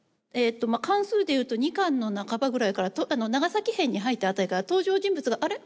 巻数でいうと２巻の半ばぐらいから長崎編に入ったあたりから登場人物があれ？